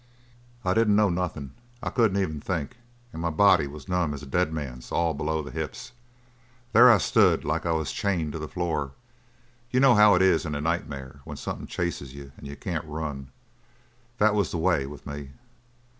"I didn't know nothin'. I couldn't even think and my body was numb as a dead man's all below the hips. There I stood like I was chained to the floor you know how it is in a nightmare when something chases you and you can't run? That was the way with me."